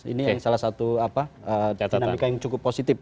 ini salah satu dinamika positif